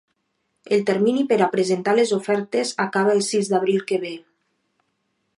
El termini per a presentar les ofertes acaba el sis d’abril que ve.